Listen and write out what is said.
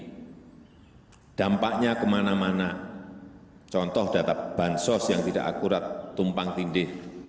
ini dampaknya kemana mana contoh data bantuan sosial yang tidak akurat tumpang tinggi